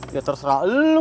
ya terserah lo